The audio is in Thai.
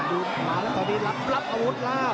ดูพี่มาหลังตอนนี้รับรับอาวุธส์แล้ว